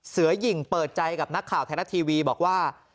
เสือหญิงเปิดใจกับนักข่าวไทยรัฐทีวีบอกว่า